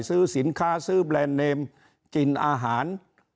ซื้อสินค้าซื้อแบรนด์เนมกินอาหาร